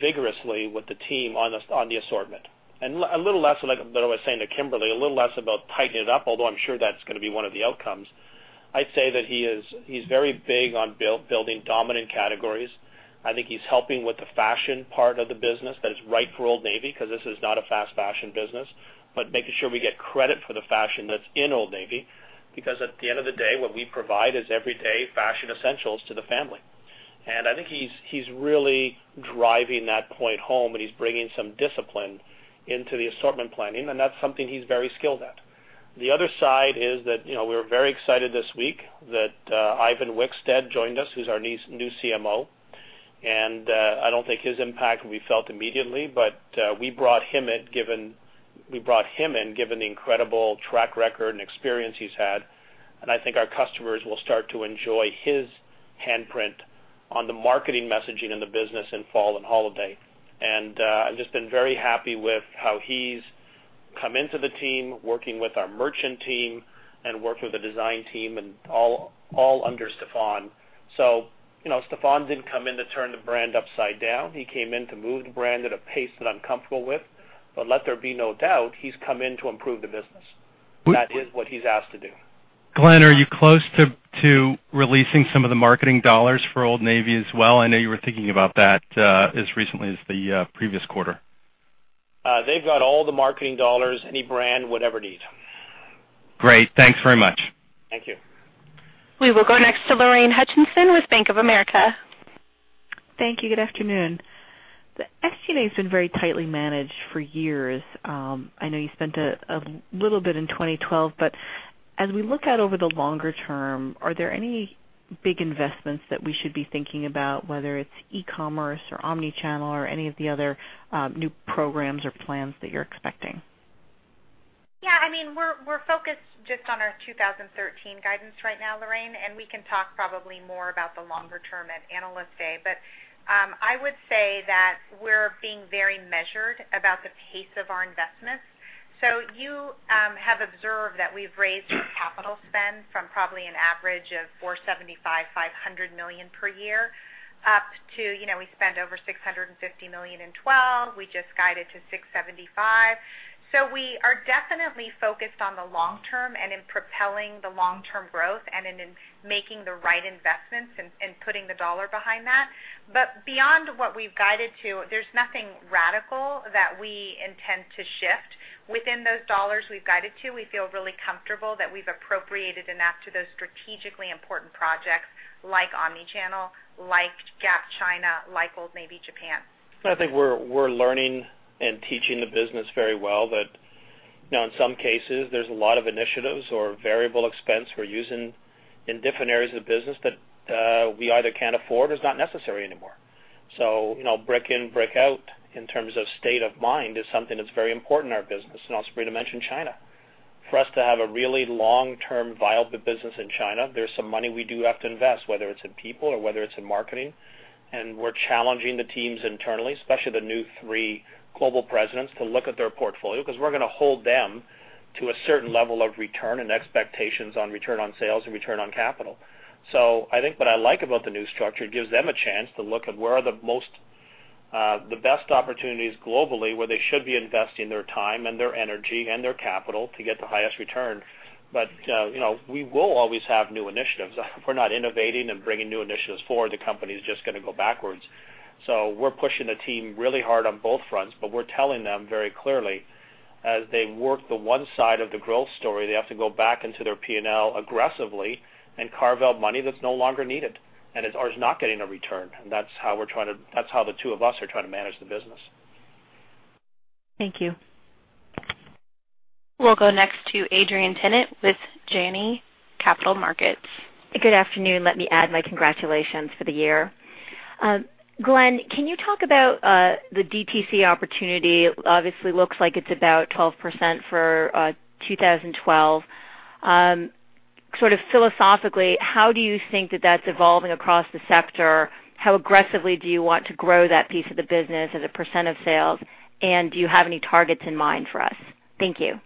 vigorously with the team on the assortment. A little less, like what I was saying to Kimberly, a little less about tightening it up, although I'm sure that's going to be one of the outcomes. I'd say that he's very big on building dominant categories. I think he's helping with the fashion part of the business that is right for Old Navy, because this is not a fast fashion business. Making sure we get credit for the fashion that's in Old Navy, because at the end of the day, what we provide is everyday fashion essentials to the family. I think he's really driving that point home, he's bringing some discipline into the assortment planning, and that's something he's very skilled at. The other side is that we were very excited this week that Ivan Wicksteed joined us, who's our new CMO. I don't think his impact will be felt immediately, we brought him in given the incredible track record and experience he's had. I think our customers will start to enjoy his handprint on the marketing messaging in the business in fall and holiday. I've just been very happy with how he's come into the team, working with our merchant team, working with the design team, and all under Stefan. Stefan didn't come in to turn the brand upside down. He came in to move the brand at a pace that I'm comfortable with. Let there be no doubt, he's come in to improve the business. That is what he's asked to do. Glenn, are you close to releasing some of the marketing dollars for Old Navy as well? I know you were thinking about that as recently as the previous quarter. They've got all the marketing dollars any brand would ever need. Great. Thanks very much. Thank you. We will go next to Lorraine Hutchinson with Bank of America. Thank you. Good afternoon. The SG&A's been very tightly managed for years. I know you spent a little bit in 2012, but as we look out over the longer term, are there any big investments that we should be thinking about, whether it's e-commerce or omni-channel or any of the other new programs or plans that you're expecting? Yeah. We're focused just on our 2013 guidance right now, Lorraine, we can talk probably more about the longer term at Analyst Day. I would say that we're being very measured about the pace of our investments. You have observed that we've raised our capital spend from probably an average of $475 million, $500 million per year, up to, we spent over $650 million in 2012. We just guided to $675 million. We are definitely focused on the long term and in propelling the long-term growth and in making the right investments and putting the dollar behind that. Beyond what we've guided to, there's nothing radical that we intend to shift. Within those dollars we've guided to, we feel really comfortable that we've appropriated enough to those strategically important projects like omni-channel, like Gap China, like Old Navy Japan. I think we're learning and teaching the business very well that, in some cases, there's a lot of initiatives or variable expense we're using in different areas of the business that we either can't afford or is not necessary anymore. Brick in, brick out in terms of state of mind is something that's very important in our business. Sabrina mentioned China. For us to have a really long-term viable business in China, there's some money we do have to invest, whether it's in people or whether it's in marketing. We're challenging the teams internally, especially the new three global presidents, to look at their portfolio because we're going to hold them to a certain level of return and expectations on return on sales and return on capital. I think what I like about the new structure, it gives them a chance to look at where are the best opportunities globally, where they should be investing their time and their energy and their capital to get the highest return. We will always have new initiatives. If we're not innovating and bringing new initiatives forward, the company's just going to go backwards. We're pushing the team really hard on both fronts, we're telling them very clearly as they work the one side of the growth story, they have to go back into their P&L aggressively and carve out money that's no longer needed and is not getting a return. That's how the two of us are trying to manage the business. Thank you. We'll go next to Adrienne Tennant with Janney Capital Markets. Good afternoon. Let me add my congratulations for the year. Glenn, can you talk about the DTC opportunity? Obviously looks like it's about 12% for 2012. Sort of philosophically, how do you think that that's evolving across the sector? How aggressively do you want to grow that piece of the business as a percent of sales, and do you have any targets in mind for us? Thank you.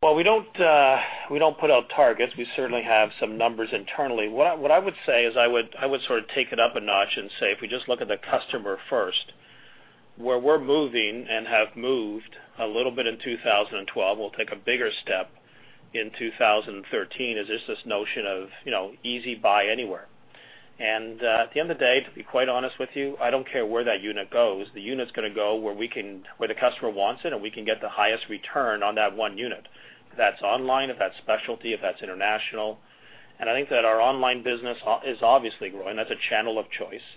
Well, we don't put out targets. We certainly have some numbers internally. What I would say is I would sort of take it up a notch and say, if we just look at the customer first Where we're moving and have moved a little bit in 2012, we'll take a bigger step in 2013, is just this notion of easy buy anywhere. At the end of the day, to be quite honest with you, I don't care where that unit goes. The unit's going to go where the customer wants it, and we can get the highest return on that one unit. If that's online, if that's specialty, if that's international. I think that our online business is obviously growing. That's a channel of choice.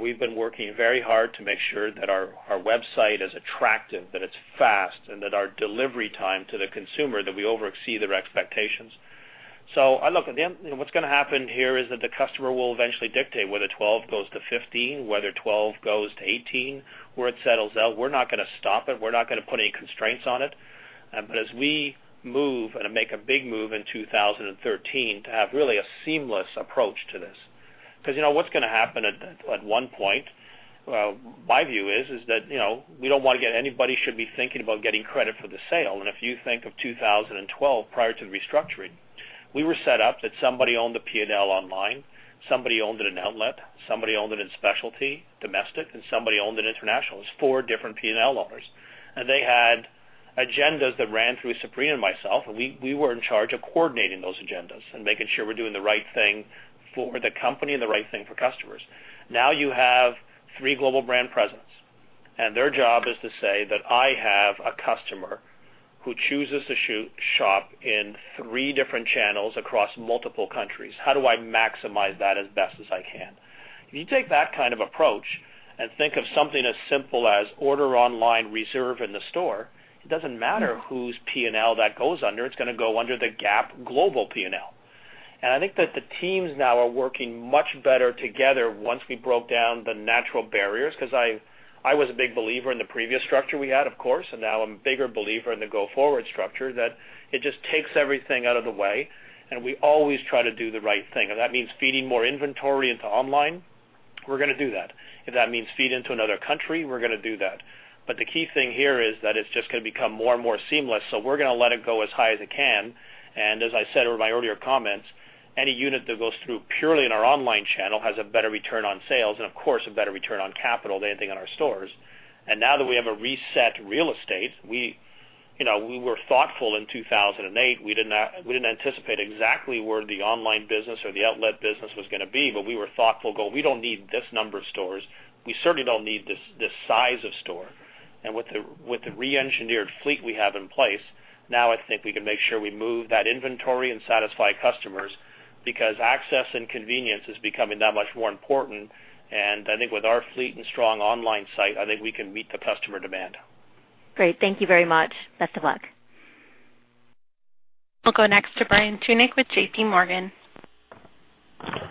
We've been working very hard to make sure that our website is attractive, that it's fast, and that our delivery time to the consumer, that we over exceed their expectations. Look, what's going to happen here is that the customer will eventually dictate whether 12 goes to 15, whether 12 goes to 18, where it settles out. We're not going to stop it. We're not going to put any constraints on it. As we move and make a big move in 2013 to have really a seamless approach to this. What's going to happen at one point, my view is that we don't want anybody should be thinking about getting credit for the sale. If you think of 2012, prior to the restructuring, we were set up that somebody owned the P&L online, somebody owned it in outlet, somebody owned it in specialty, domestic, and somebody owned it international. It's four different P&L owners. They had agendas that ran through Sabrina and myself, and we were in charge of coordinating those agendas and making sure we're doing the right thing for the company and the right thing for customers. You have three global brand presidents, and their job is to say that I have a customer who chooses to shop in three different channels across multiple countries. How do I maximize that as best as I can? If you take that kind of approach and think of something as simple as order online, reserve in the store, it doesn't matter whose P&L that goes under. It's going to go under the Gap global P&L. I think that the teams now are working much better together once we broke down the natural barriers, because I was a big believer in the previous structure we had, of course, and now I'm a bigger believer in the go-forward structure, that it just takes everything out of the way, and we always try to do the right thing. If that means feeding more inventory into online, we're going to do that. If that means feed into another country, we're going to do that. The key thing here is that it's just going to become more and more seamless, so we're going to let it go as high as it can. As I said over my earlier comments, any unit that goes through purely in our online channel has a better return on sales and, of course, a better return on capital than anything in our stores. Now that we have a reset real estate, we were thoughtful in 2008. We didn't anticipate exactly where the online business or the outlet business was going to be, but we were thoughtful going, "We don't need this number of stores. We certainly don't need this size of store." With the re-engineered fleet we have in place, now I think we can make sure we move that inventory and satisfy customers because access and convenience is becoming that much more important. I think with our fleet and strong online site, I think we can meet the customer demand. Great. Thank you very much. Best of luck. We'll go next to Brian Tunick with JPMorgan.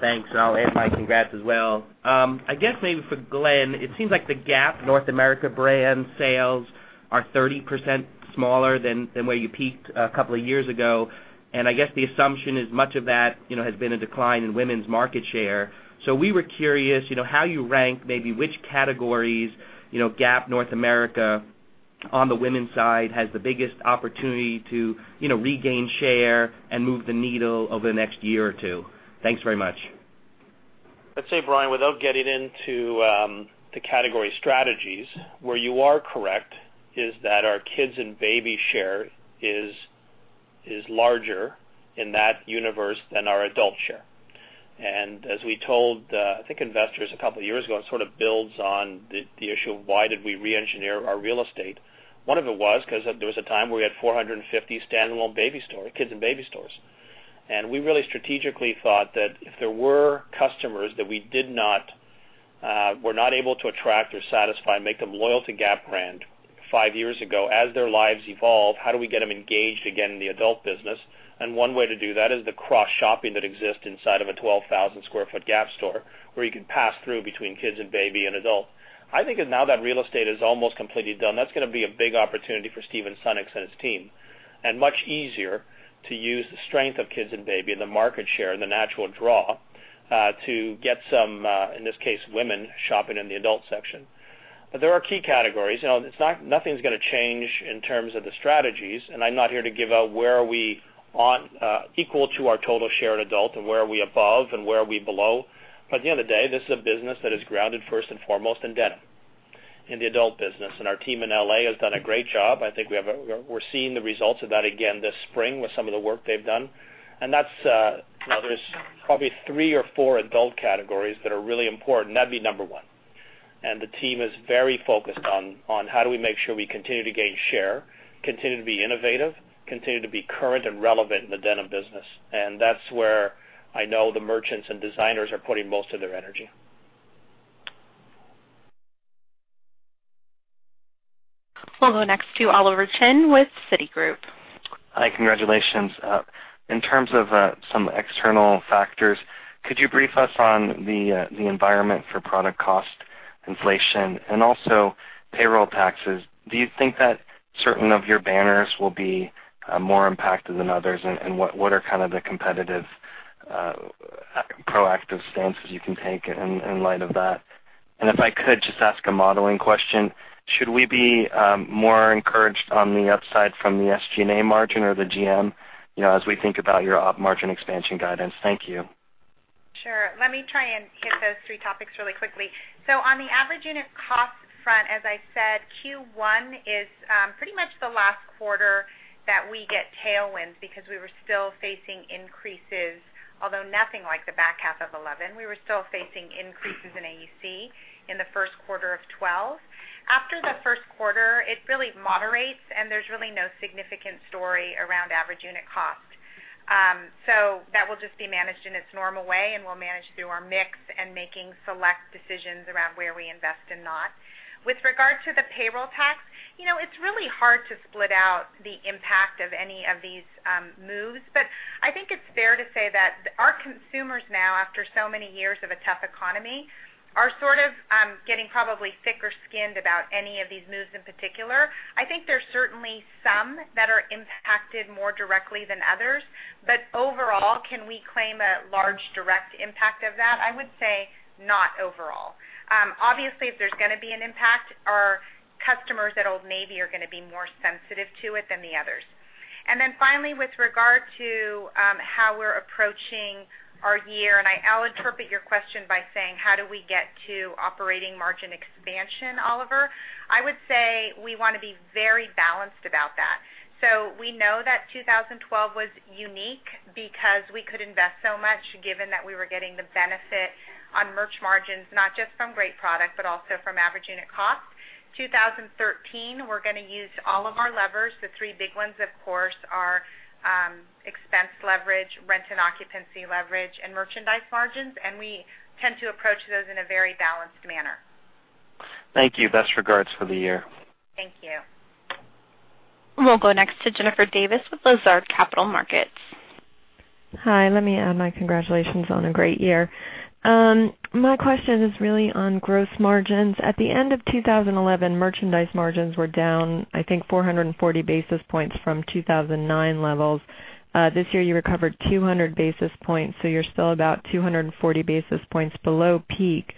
Thanks, and I'll add my congrats as well. I guess maybe for Glenn, it seems like the Gap North America brand sales are 30% smaller than where you peaked a couple of years ago, and I guess the assumption is much of that has been a decline in women's market share. We were curious, how you rank maybe which categories Gap North America on the women's side has the biggest opportunity to regain share and move the needle over the next year or two. Thanks very much. Let's say, Brian, without getting into the category strategies, where you are correct is that our kids and baby share is larger in that universe than our adult share. As we told, I think, investors a couple of years ago, it sort of builds on the issue of why did we re-engineer our real estate. One of it was because there was a time where we had 450 standalone kids and baby stores. We really strategically thought that if there were customers that we're not able to attract or satisfy and make them loyal to Gap brand five years ago, as their lives evolve, how do we get them engaged again in the adult business? One way to do that is the cross-shopping that exists inside of a 12,000 square foot Gap store where you can pass through between kids and baby and adult. I think now that real estate is almost completely done, that's going to be a big opportunity for Steve Sunnucks and his team. Much easier to use the strength of kids and baby and the market share and the natural draw to get some, in this case, women shopping in the adult section. There are key categories. Nothing's going to change in terms of the strategies, and I'm not here to give out where are we on equal to our total share in adult and where are we above and where are we below. At the end of the day, this is a business that is grounded first and foremost in denim in the adult business. Our team in L.A. has done a great job. I think we're seeing the results of that again this spring with some of the work they've done. There's probably three or four adult categories that are really important. That'd be number 1. The team is very focused on how do we make sure we continue to gain share, continue to be innovative, continue to be current and relevant in the denim business. That's where I know the merchants and designers are putting most of their energy. We'll go next to Oliver Chen with Citigroup. Hi. Congratulations. In terms of some external factors, could you brief us on the environment for product cost inflation and also payroll taxes? Do you think that certain of your banners will be more impacted than others, and what are kind of the competitive proactive stances you can take in light of that? If I could just ask a modeling question, should we be more encouraged on the upside from the SG&A margin or the GM as we think about your op margin expansion guidance? Thank you. Sure. Let me try and hit those three topics really quickly. On the average unit cost front, as I said, Q1 is pretty much the last quarter that we get tailwinds because we were still facing increases, although nothing like the back half of 2011. We were still facing increases in AUC in the first quarter of 2012. After the first quarter, it really moderates, and there's really no significant story around average unit cost. That will just be managed in its normal way, and we'll manage through our mix and making select decisions around where we invest and not. With regard to the payroll tax, it's really hard to split out the impact of any of these moves. I think it's fair to say that our consumers now, after so many years of a tough economy, are sort of getting probably thicker skinned about any of these moves in particular. I think there's certainly some that are impacted more directly than others. Overall, can we claim a large direct impact of that? I would say not overall. Obviously, if there's going to be an impact, our customers at Old Navy are going to be more sensitive to it than the others. Finally, with regard to how we're approaching our year, and I'll interpret your question by saying, how do we get to operating margin expansion, Oliver? I would say we want to be very balanced about that. We know that 2012 was unique because we could invest so much, given that we were getting the benefit on merch margins, not just from great product, but also from average unit cost. 2013, we're going to use all of our levers. The three big ones, of course, are expense leverage, rent and occupancy leverage, and merchandise margins, and we tend to approach those in a very balanced manner. Thank you. Best regards for the year. Thank you. We'll go next to Jennifer Davis with Lazard Capital Markets. Hi, let me add my congratulations on a great year. My question is really on gross margins. At the end of 2011, merchandise margins were down, I think, 440 basis points from 2009 levels. This year, you recovered 200 basis points, so you're still about 240 basis points below peak.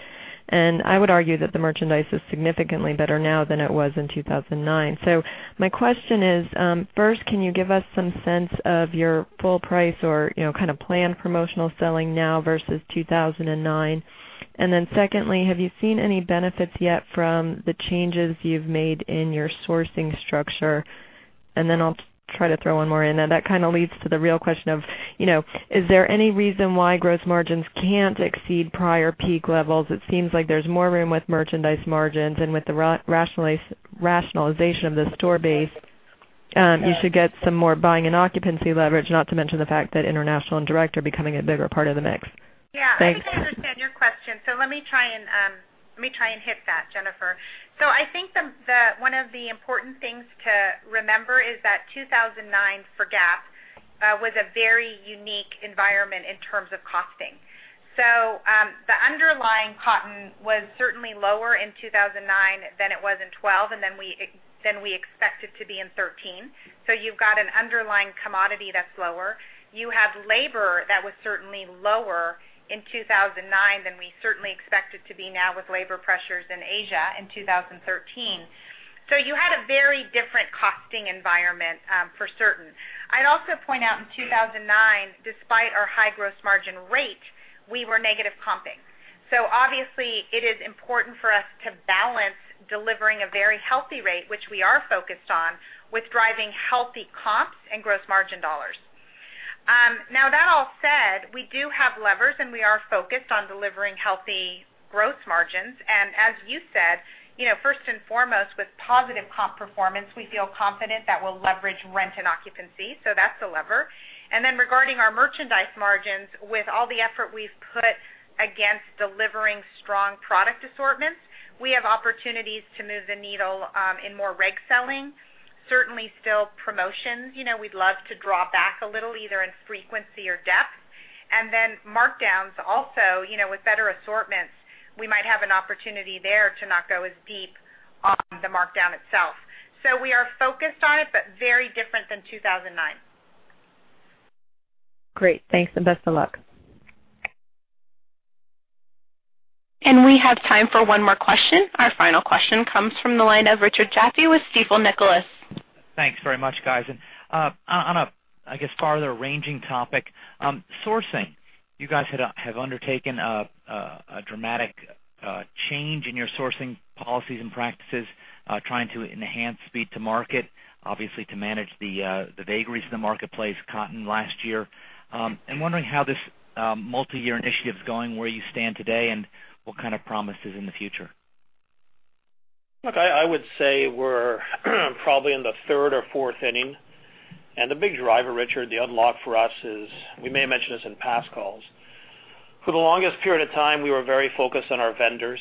I would argue that the merchandise is significantly better now than it was in 2009. My question is, first, can you give us some sense of your full price or kind of planned promotional selling now versus 2009? Secondly, have you seen any benefits yet from the changes you've made in your sourcing structure? I'll try to throw one more in there. That kind of leads to the real question of, is there any reason why gross margins can't exceed prior peak levels? It seems like there's more room with merchandise margins and with the rationalization of the store base. You should get some more buying and occupancy leverage, not to mention the fact that international and direct are becoming a bigger part of the mix. Yeah. Thanks. I think I understand your question. Let me try and hit that, Jennifer. I think one of the important things to remember is that 2009, for Gap, was a very unique environment in terms of costing. The underlying cotton was certainly lower in 2009 than it was in 2012, and than we expect it to be in 2013. You've got an underlying commodity that's lower. You have labor that was certainly lower in 2009 than we certainly expect it to be now with labor pressures in Asia in 2013. You had a very different costing environment for certain. I'd also point out in 2009, despite our high gross margin rate, we were negative comping. Obviously it is important for us to balance delivering a very healthy rate, which we are focused on, with driving healthy comps and gross margin dollars. That all said, we do have levers, we are focused on delivering healthy gross margins. As you said, first and foremost, with positive comp performance, we feel confident that we'll leverage rent and occupancy. That's a lever. Regarding our merchandise margins, with all the effort we've put against delivering strong product assortments, we have opportunities to move the needle in more reg selling. Certainly still promotions. We'd love to draw back a little, either in frequency or depth. Markdowns also, with better assortments, we might have an opportunity there to not go as deep on the markdown itself. We are focused on it, but very different than 2009. Great. Thanks, and best of luck. We have time for one more question. Our final question comes from the line of Richard Jaffe with Stifel Nicolaus. Thanks very much, guys. On a, I guess, farther ranging topic, sourcing. You guys have undertaken a dramatic change in your sourcing policies and practices, trying to enhance speed to market, obviously to manage the vagaries of the marketplace, cotton last year. I'm wondering how this multi-year initiative's going, where you stand today, and what kind of promises in the future. Look, I would say we're probably in the third or fourth inning. The big driver, Richard, the unlock for us is, we may have mentioned this in past calls. For the longest period of time, we were very focused on our vendors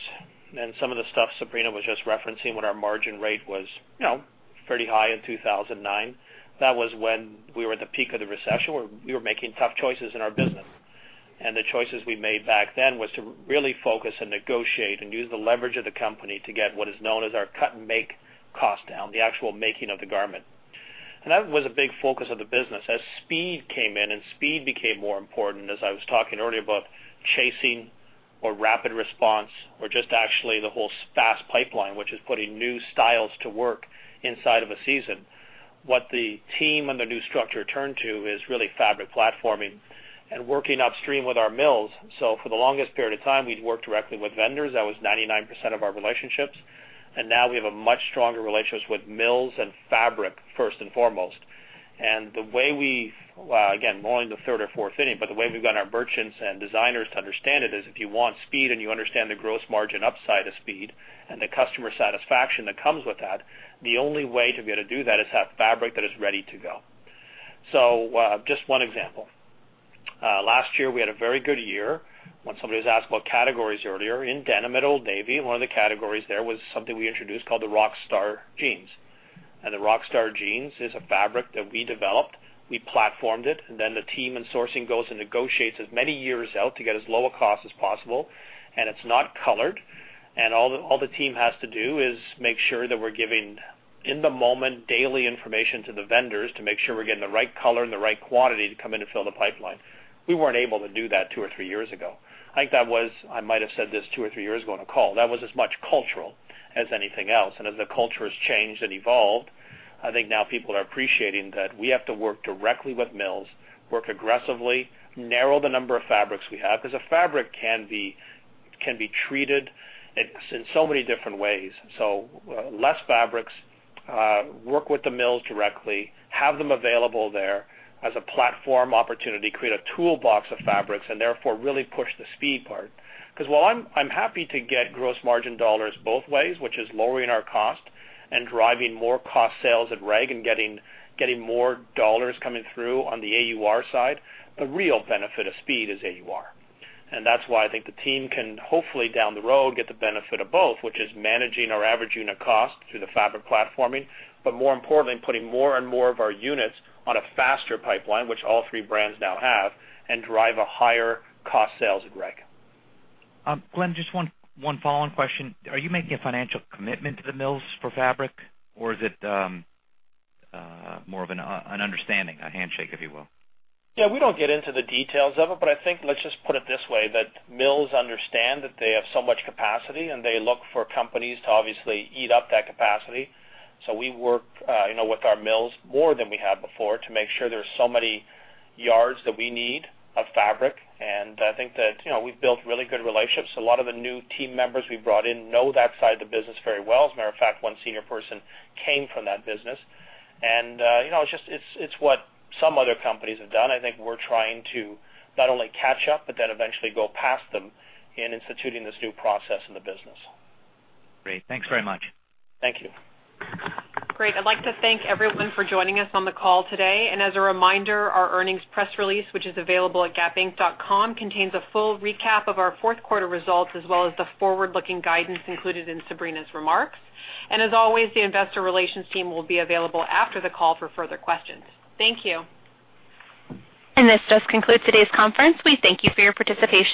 and some of the stuff Sabrina was just referencing when our margin rate was pretty high in 2009. That was when we were at the peak of the recession. We were making tough choices in our business. The choices we made back then was to really focus and negotiate and use the leverage of the company to get what is known as our cut and make cost down, the actual making of the garment. That was a big focus of the business. As speed came in and speed became more important, as I was talking earlier about chasing Or rapid response, or just actually the whole fast pipeline, which is putting new styles to work inside of a season. What the team and the new structure turn to is really fabric platforming and working upstream with our mills. For the longest period of time, we'd worked directly with vendors. That was 99% of our relationships. Now we have a much stronger relationship with mills and fabric, first and foremost. Again, rolling to third or fourth inning, the way we've gotten our merchants and designers to understand it is, if you want speed and you understand the gross margin upside of speed and the customer satisfaction that comes with that, the only way to be able to do that is to have fabric that is ready to go. Just one example. Last year, we had a very good year. When somebody was asked about categories earlier, in denim at Old Navy, one of the categories there was something we introduced called the Rockstar jeans. The Rockstar jeans is a fabric that we developed. We platformed it, and then the team in sourcing goes and negotiates as many years out to get as low a cost as possible. It's not colored. All the team has to do is make sure that we're giving in-the-moment daily information to the vendors to make sure we're getting the right color and the right quantity to come in to fill the pipeline. We weren't able to do that two or three years ago. I think that was, I might have said this two or three years ago on a call, that was as much cultural as anything else. As the culture has changed and evolved, I think now people are appreciating that we have to work directly with mills, work aggressively, narrow the number of fabrics we have. A fabric can be treated in so many different ways. Less fabrics, work with the mills directly, have them available there as a platform opportunity, create a toolbox of fabrics, and therefore, really push the speed part. While I'm happy to get gross margin dollars both ways, which is lowering our cost and driving more cost sales at reg and getting more dollars coming through on the AUR side, the real benefit of speed is AUR. That's why I think the team can hopefully, down the road, get the benefit of both, which is managing our average unit cost through the fabric platforming. More importantly, putting more and more of our units on a faster pipeline, which all three brands now have, and drive a higher cost sales at reg. Glenn, just one follow-on question. Are you making a financial commitment to the mills for fabric? Or is it more of an understanding, a handshake, if you will? Yeah, we don't get into the details of it, but I think let's just put it this way, that mills understand that they have so much capacity, and they look for companies to obviously eat up that capacity. We work with our mills more than we have before to make sure there's so many yards that we need of fabric. I think that we've built really good relationships. A lot of the new team members we brought in know that side of the business very well. As a matter of fact, one senior person came from that business. It's what some other companies have done. I think we're trying to not only catch up, but then eventually go past them in instituting this new process in the business. Great. Thanks very much. Thank you. Great. I'd like to thank everyone for joining us on the call today. As a reminder, our earnings press release, which is available at gapinc.com, contains a full recap of our fourth quarter results, as well as the forward-looking guidance included in Sabrina's remarks. As always, the investor relations team will be available after the call for further questions. Thank you. This does conclude today's conference. We thank you for your participation.